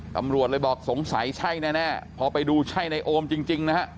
ตำรวจเลยบอกสงสัยใช่แน่พอไปดูใช่ในโอมจริงนะฮะ